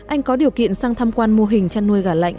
anh có điều kiện sang tham quan mô hình chăn nuôi gà lạnh